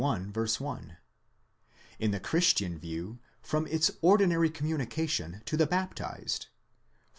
1)—in the Christian view, from its ordinary communication to the baptized (e.